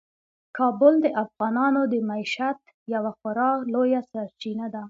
کابل د افغانانو د معیشت یوه خورا لویه سرچینه ده.